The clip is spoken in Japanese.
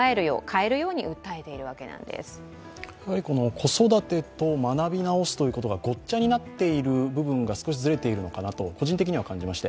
子育てと学び直すということがごっちゃになっている部分が少しずれているのかなと、個人的には感じまして。